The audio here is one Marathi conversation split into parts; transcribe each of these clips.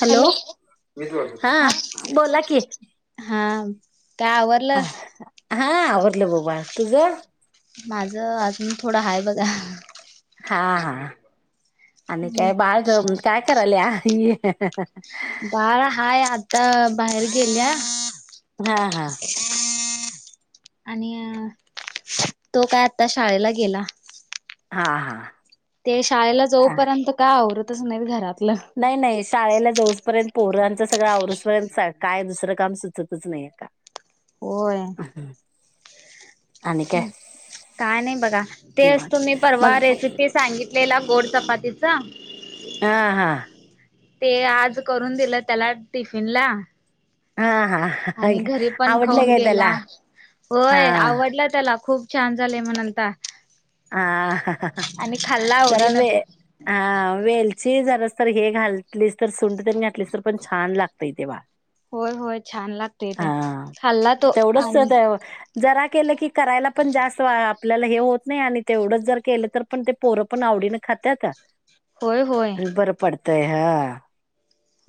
हॅलो हा बोला की हा काय आवरलं हा आवरलं बग बाळ तुझ माझं अजून थोडं हाय बघा हा हा आणि काय बाळ ग काय करायल आी बाळा हाय आता बाहेर गेल्या हा हा आणि तो काय आता शाळेला गेला हां हां ते शाळेला जाऊपर्यंत काय आवरतच नाही घरातलं नाही नाही शाळेला जऊसपर्यंत पोरांचा सगळं आवरुस पर्यंत काय दुसरं काम सुचतच नाही का [unintelligible] होय हम् काय नाही बघा तेच निवांत तुम्ही परवा मग रेसिपी सांगितलेला गोड चपातीचा हां हा ते आज करून दिलं त्याला टिफिन ला हा हा आणि घरी पण आवडलं खाऊन काय त्याला गेला हा होय आवडला त्याला खूप छान झालेय म्हणतला ह खाल्ला जला आवडीनं वे तो हा वेलची जरास तर हे घाललीस तर सुंट तरी घातलीस तर पण छान लागतय तेव्हा होय होय छान लागतेय ते खाल्ला तो तेवढंच आणि तर जरा केलं की करायला पण जास्त आपल्याला हे होत नाही आणि ते एवढंच जर केलं तर पण ते पोरं पण आवडीने खात्याात होय होय आणि बरं पडत ह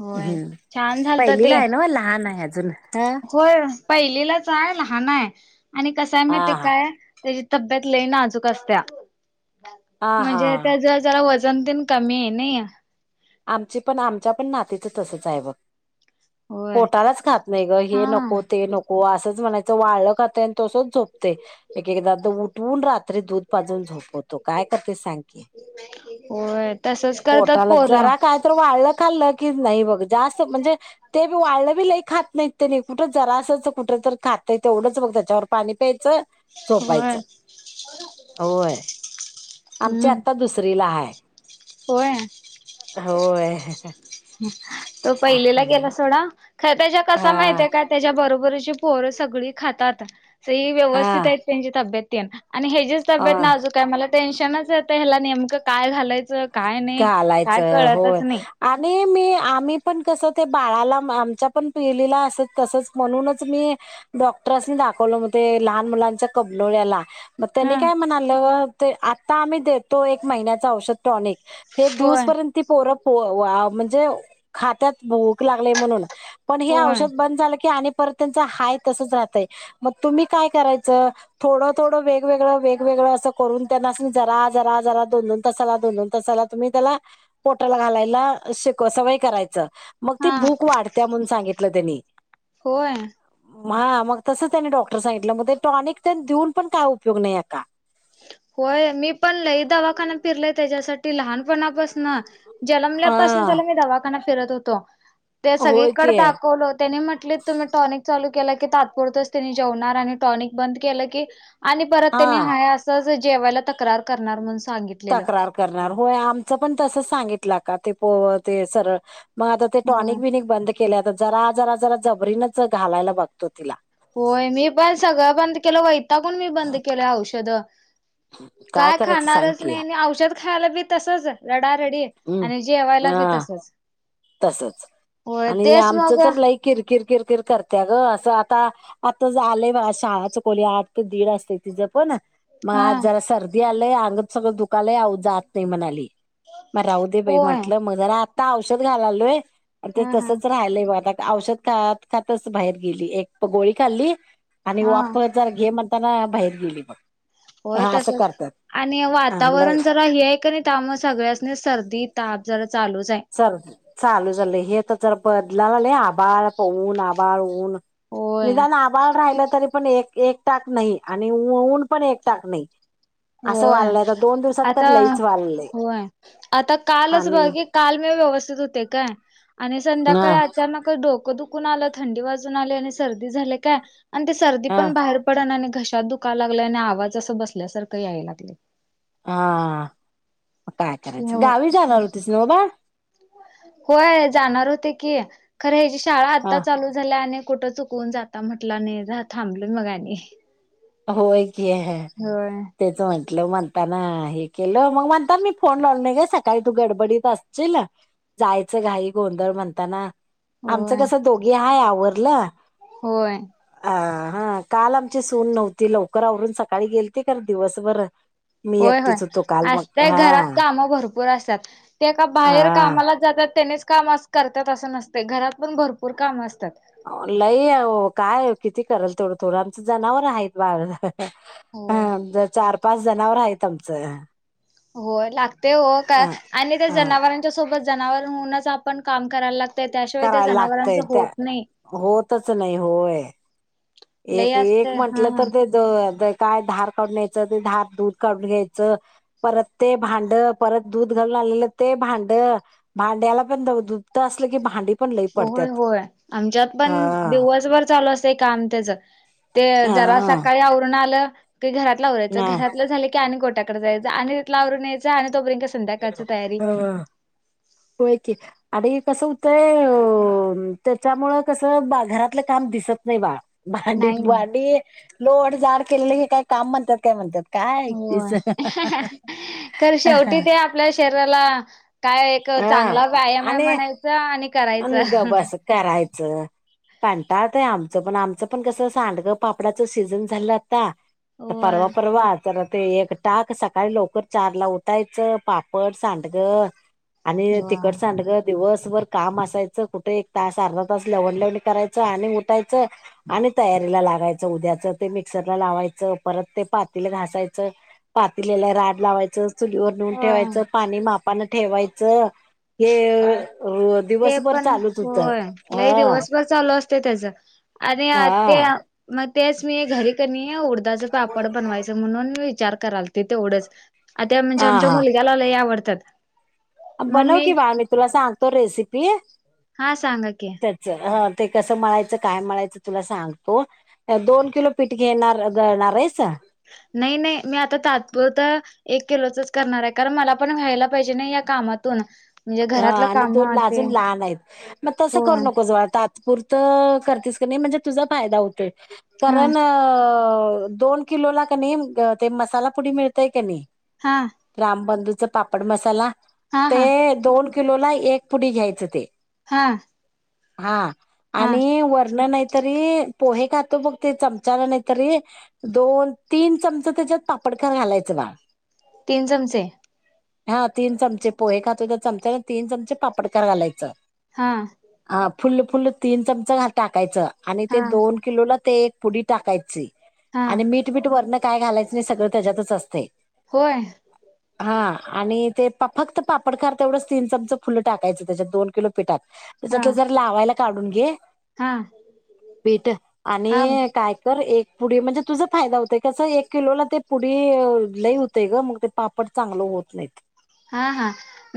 होय हम् छान झालत ते पहिलीला आहे ना लहान आहे अजून होय पहिलेलाच आहे लहान आहे आणि कसय मा ते हा काय त्याची तब्येत लय नाजूक असत्या हा हा म्हणजे हा त्या जर जरा वजन तन कमी आहे नाही या आमची पण आमच्या पण नातीच तसंच आहे बघ होय पोटालाच खात नाही ग हे हा नको ते नको हो असंच म्हणायचं वाळलं खातंय आणि तसंच झोपते एक एकदा पण रात्री दूध पाजून झोपवतो काय करते सांगते होय तसच करतात पोर जरा काय तरी वाळलं खाल्लं की नाही ब जास्त म्हणजे तेी वाळलं बी लई खात नाहीत ते नाही कुठं जरा असयचं कुठं तर खातय तेवढंच बघ त्याच्यावर पाणी प्यायचं होय झोपायचं होय आमची हम्म आता दुसरीला हाय होय होय तो पहिलेला गेला हा सोडा खर त्याच्या कसा हा माहितय का त्याच्या बरोबरीची पोर सगळी खातात स व्यवस्थित आहेत त्यांची तब्येत आणि हे ज हा तब्येत नाजूक आहे मला टेन्शनच येतय ह्याला नेमकं काय घालायचं काय नाही काय घालायचं होय कळतच नाही आणि मी आम्ही पण कसं ते बाळाला आमच्या पण पिलीला असत तसंच म्हणूनच मी डॉक्टरसनी दाखवलं म ते लहान मुलांच्या कग्नोळ्याला मग त्यांनी हा काय म्हणालं ते आता आम्ही देतो एक महिन्याच औषध टॉनिक हे होय दिवसपर्यंत ती पोर म्हणजे खात्यात भूक लागली म्हणून पण हे होय औषध बंद झालं की आणि परत त्यांच हाय तसच राहतंय मग तुम्ही काय करायचं थोडं, थोडं वेगवेगळं, वेगवेगळं असं करून त्यांना जरा, जरा जरा दोन, दोन तासाला दोन, दोन तासाला त्याला पोटाला घालायला शिक सवय करायचं मग ती हा भूक वाढत्या म्हणून सांगितलं त्यांनी होय हां मग तसं त्यांनी डॉक्टर सांगितलं मग ते टॉनिक देऊन पण काय उपयोग नाही आक्का होय मी पण दवाखाना फिरलय त्याच्यासा त लहानपणापासन जन्मल्यापासून मी हा त्याला दवाखाना फिरत होतो ते होय सगळीकडे की दाखवलोत त्यांनी म्हटले तुम्ही टॉनिक चालू केलं की तात्पुरतच त्यांनी जेवणार आणि टॉनिक बंद केलं की आणि परत हा त्यांनी हाय असंच जेवायला तक्रार करणार म्हणून सांगित तक्रार करणार होय आमच पण तस सांगितलं का ते सरळ मग आता ते होय टॉनिक, बिनिक बंद केले आता जरा जरा जरा जबरीनच घालायला बघतो तिला होय मी पण सगळं बंद केलं वैतागुन मी बंद केलं औषध काय करायचं सांग खाणारच की नाही औषध खायला बी तसच रडारडी हम् आणि जेवायला बी हा तसच तसच होय आणि तेच आमचं मग तर लाई किर, किर, किर, किर कर त्या ग असं आता, आता आलंय शाळाच चुकवली आठ ते दीड असते तिचं पण मग हा आज जरा सर्दी आलंय अंग सगळं दुखालाय आऊ जात नाही म्हणाली मग राहू दे बाई होय. म्हंटलं मग जरा आत्ता औषध घालालोय आणि ते हा हा तसच राहिलंय बघ आता औषध खातच, खातच बाहेर गेली एक गोळी खाल्ली आणि हा वाप जर घे म्हणताना बाहेर गेली बग होय तसच आणि लय वातावरण जरा हे आहे का नाही इथ आम सगळ्यासनी सर्दी ताप जरा चालूच आहे च चालू झालंय हे तर जर बदला झाले आभळ प न आभळ ऊन होय. निदान आबाळ राहिलं तरी पण एक, एक टाक नाही आणि ऊन पण एक टाक नाही असं होय वाढलंय आता दोन दिवसात तर आता लईच वाढलंय होय आता कालच बघा आणि कि काल म व्यवस्थित होते काय आणि हा संध्याकाळी अचानकच डोकं दुखून आलं थंडी वाजून आले आणि सर्दी झाले काय आणि ते सर्दी हा पण बाहेर पडन आणि घशात दुकाय लागला आणि आवाज असं बसल्यासारखं याय लागले हा काय करायचं हो गावी जाणार होतीच नव्ह बा होय जाणार होते की खरं ह्याची शाळा आता हा चालू झाल्या आणि कुठं चुक कुण जाता म्हटलं नाही थांबलय मग आणि होय की ह होय तेच म्हटलं म्हणताना हे केलं मग म्हणता मी फोन लाव नाही गे सकाळी तू गडबडीत असशील जायचं घाई गोंधळ म्हणताना आमचं होय कसं दोघी हाय आवरलं होय अ हा काल आमची सून नव्हती लवकर आवरून सकाळी गेलती खर दिवसभर मी होय, होय एकटीच होतो काल मग असतय घरात हा कामं भरपू होय असतात ते का बाहेर हा. कामाला जातात त्यानेच काम अस करतात असं नसते घरात पण भरपूर काम असतात लई आहे काय किती कराल थोडं आमचं जनावर आहेत बार होय ह चार, पाच जनावर आहेत आमचं होई लागतय हो, का अ आणि त्या अ जनावरां त्याच्या सोबत जनावर होऊनच आपण काम करायला लागतय, त्याशिवाय ते करायला जनावरांच लागतय त्या होत नाही. होतच नाही होय, लई एक-एक असते म्हंटलं हा तर ते त धार काढून घ्यायचं, ते धार दूध काढून घ्यायचं. परत ते भांड, परत दूध घालून आलेलं ते भांड भांड्याला पण दुपत असलं की भांडी पण लई पडत्यात. होय-होय, आमच्यात पण हा दिवसभर चालू असतंय काम तेझ ते जरा हा सकाळी आवरण आलं, ते घरातल आवरायच, ना. घरातलं झालं की आणि गोट्या जायच, आणि तितल आवरून यायच, आणि तोपर्यंका संध्याकाळची तयारी होय की. आणि कसं हूतंय, त्याच्यामुळं कसं बा घरातलं काम दिसत नाही बा. भांडीत नाही नाही भांडी, लोड जाड केलेले, हे काय काम म्हणतात काय? म्हणत्यात होय, खर शेवटी हा ते आपल्या शरीराला काय एक चांगला व्यायाम आहे आणि म्हणायचा, आणि करायच. आणि करायचं कंटाळतय आमचं पण, आमचं पण कसं, सांडगं पापडाचं सीझन झाल्यात ता परवा होय परवा तर ते एक टाक सकाळी लवकर चारला उठायचं, पापड, सांडगं आणि तिखट होय सांडग दिवसभर काम असायचं, कुठ एक तास, अर्धा तास, लवणंडल्यावाणी करायचं, आणि उठायचं आणि तयारीला लागायच, उद्याचं ते मिक्सरला लावायचं, परत ते पातील घासायचं. पातीलेला राड लावायचं. चुलीवर नुन होय. ठेवायचं, पाणी मापन ठेवायचं, हे ते दिवसभर पण, चालूच होत होय, लई हा दिवसभर चालू असतय तेच, आणि ते हा मग तेच मी घरी कनी, उडदााच पापड बनवायच म्हणून विचार कराल ते तेवढंच, आ त्या म्हणजे, हा आमच्या हा मुलग्याला लय आवडतात. बनव की बाळ, मी तुला सांगतो रेसिपी हा सांगा की त्याच, ह ते कसं म्हळायचं, काय म्हळायचं तुला सांगतो. दोन किलो पीठ घेणार, गळणारयस? नई नई, मी आता तात्पुरत एक किलोचच करणाराय, कारण मला पण व्हायला पाहिजे ना, या कामातून हा घरातलं आणि काम दोन ते लाजून लहान हायत, मग तसं हो करू नकोस बाळ पुरतं करतेस क नइ, म्हणजे तुझा फायदा होतोय, हा कारण अं दोन किलोला कनी, अ ते मसाला पुडी मिळतय क नई हा. रामबंधूचा पापड मसाला, हा ते हा दोन किलोला एक पुडी घ्यायचं ते हा. हा हा आणि वरण नई तरी, पोहे खातो बग ते, चमचाला नाही तरी दोन, तीन चमचं त्याच्यात पापडकार घालायचं बाळ तीन चमचे? हा तीन चमचे पोहे खातोय, त्या चमचान तीन चमचे पापडकार घालायचं. हा. हा, फुल्ल-फुल्ल तीन चमचं टाकायचं, आणि हा ते दोन किलोला ते पुडी टाकायची, हा आणि मीठ-बीट वरण काय घालायचं नय, सगळं त्याच्यातच असतंय होय? हा, आणि ते पप-फक्त पापडखार तेवढंच तीन चमचं फुल्ल टाकायचं, त्याच्यात दोन किलो पिठात, हा त्याच्यातलं जरा लावायला काढून घे हा पीठ, हा आणि काय तर एक पुडी म्हणजे तुझा फायदा हुतय कसं एक किलोला ते पुडी लई हुतय ग मंग ते पापड चांगलं होत नाहीत. हा हा,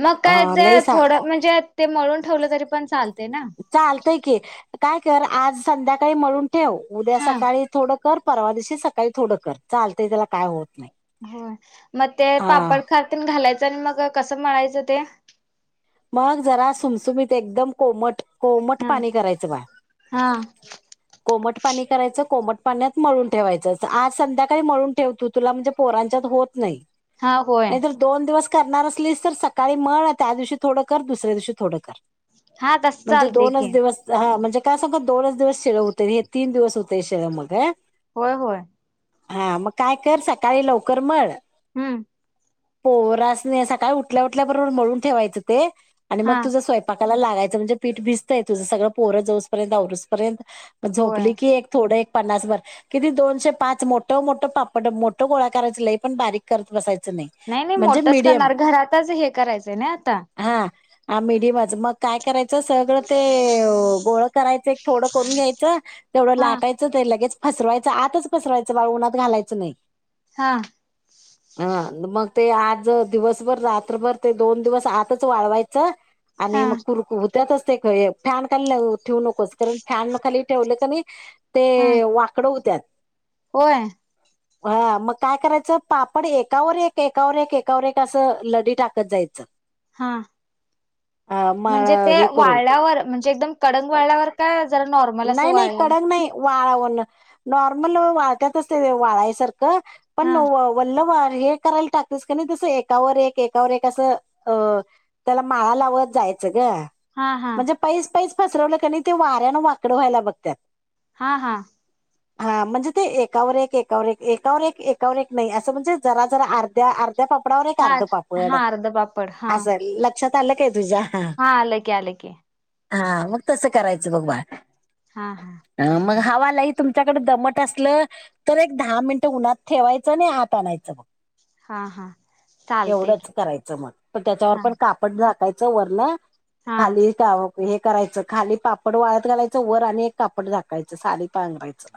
मग अ काय ते लई सा थोडं म्हणजे ते मळून ठेवलं तरी पण चालते ना. चालतंय की काय कर आज संध्याकाळी मळून ठेव उद्या हा सकाळी थोडं कर परवा दिवशी सकाळी थोडं कर चालतंय त्याला काय होत नाही. ह मग ते हा पापड खार तेन घालायचं अन् मग कसं मळायचं ते. मग जरा सुमसुमीत एकदम कोमट कोमट हा पाणी करायचं बाळ. हा कोमट पाणी करायचं कोमट पाण्यात मळून ठेवायचं आज संध्याकाळी मळून ठेव तू तुला म्हणजे पोरांच्यात होत नाही. हा होय. नाहीतर दोन दिवस करणार असलीस तर सकाळी मळ त्या दिवशी थोडं कर दुसऱ्या दिवशी थोडं कर. हा तस म्हणजे चालतय दोनच की दिवस हा म्हणजे का सांग दोनच दिवस शीळ हुतय हे तीन दिवस हुतय शीळ मग अ. होय होय. हा मग काय कर सकाळी लवकर मळ. हम्म. पोरास नी सकाळी उठल्या उठल्याबरोबर मळून ठेवायचं ते आणि मग हा तुझं स्वय पाकाला लागायचं म्हणजे पीठ भिजतंय तुझं सगळ पोरं जऊसपर्यं आवरूसपर्यंत होय झोपली की एक थोडं एक पन्नास भर किती दोनशे पाच मोठं-मोठं पापड मोठं गोळा करायच लई पण बारीक करत बसायचं नाही. नाही नाही म्हणजे मोठच मीडियम करणार घरातच हे करायचंय ना आता. हा, मिडियमच मग काय कराय सगळं ते गोळ करायचं एक थोडं करून घ्यायचं तेवढं हा लाटाय च लगेच पसरवायचं आतच पसरवायच बाळ उनात घालायचं नाही. हा. ह मग ते आज दिवसभर रात्रभर ते दोन दिवस आतच वाळवायच आणि हा मग कुरकु त्यातच ते ख फॅन खाली ल ठेवू नकोस कारण फॅन खाली ठेवलं क नाही ते हा वाकडं हुत्यात. होय. [inaudible] हा मग काय करायचं पापड एकावर एक, एकावर एक, एकावर एक असं लडी टाकत जायचं. हा, म्हणजे ते हे करून वाळल्यावर म्हणजे एकदम कडंग वाळल्यावर काय जरा नॉर्मल असं वाळल्यावर. वाळवण नॉर्मल वाळत्यातच ते वाळायसारखं हा पण वल्ल भार हे करायला टाकतेस क नाही तसं एकावर एक, एकावर एक असं अ त्याला माळा लावत जायचं ग. हा हा. पईस पईस पसरवलं क नाही ते वाऱ्यान वाकडं व्हायला बघत्यात. हा हा. [inaudible] हा म्हणजे ते एकावर एक, एकावर एक, एकावर एक, एकावर एक नाही असं म्हणजे जरा-जरा अर्ध्या अर त्या पापडावर एक हा अर्ध पापड, हा अर्ध पापड हा असं लक्षात आलं काय तुझ्या. हा आल की आल की. हा मग तसं करायचं बघ बाळ. हा हा. मग हवा लई तुमच्याकडे दमट असलं तर एक दहा मिनटं उन्हात ठेवायचं आणि आत आणायचं बघ. हा हा चालते एवढच की करायचं मग पण त्याच्यावर हा पण काप पडदा झाकायचं वरण हा खाली हे करायचं खाली पापड वाळत घालायचं. वर आणि एक कापड झााकायचं साली पांगरायचं.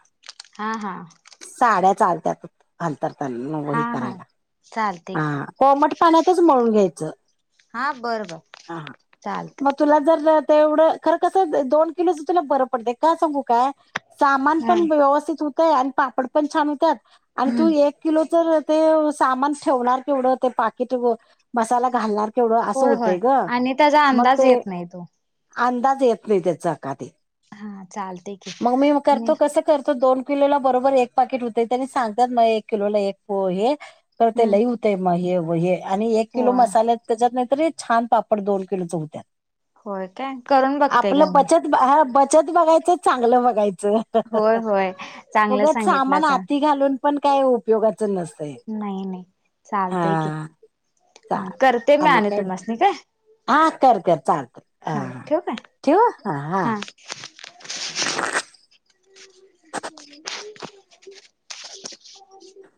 हा हा. साड्या चालत्यात. हंतरताना ह हा हा करायला चालते की हा कोमट पाण्यातच म्हळून घ्यायचं. हा बरं बर हा चालत. मग तुला जर तेवढं खर कस दोन किलोच तुला बरं पडत काय सांगू काय. सामान हा पण व्यवस्थित होतय आणि पापड पण छान होतात आणि तू हम्म एक किलो तर ते सामान ठेवणार केवढ ते पाकिट मसाला घालणार तेवढं असं होय होय होतंय ग, आणि त्याचा मग अंदाज ते येत नाही तो अंदाज येत नाही त्याच का ते. हा चालते की. खरंतर दोन किलोला बरोबर एक पाकिट होत त्यांनी सांगतात मग एक किलोला एक हे. तर ते हम्म लई होते म हे हे आणि एक किलो होय मसाले त्याच्यात नाहीतर छान पापड दोन किलो च होत्या. होय काय? करून बघतेय घ्या मी. बचत हा बचत बघायचं चांगलं बघायचं. होय होय चांगलं उगच सांगितलं सामान सा आती घालून पण काय उपयोगाच नसतय. नाही नाही चालतय की. हा चालत करते मी आणि काय, तुम्हासनी काय हा कर कर चालत. हा हां ठेवू काय ठेवू, हा हां. ह [unintelligible] हो [unintelligible] ह [unintelligible]